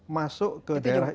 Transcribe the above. masuk ke daerah itu